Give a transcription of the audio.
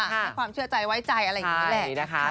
ให้ความเชื่อใจไว้ใจอะไรอย่างนี้แหละนะคะ